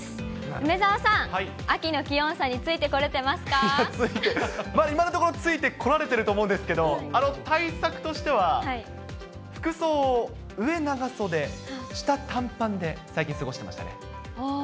梅澤さん、今のところ、ついてこられてると思うんですけど、対策としては服装を上長袖、下、短パンで、最近過ごしてましたね。